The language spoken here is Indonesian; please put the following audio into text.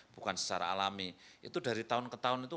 bukan secara alami itu dari tahun ke tahun itu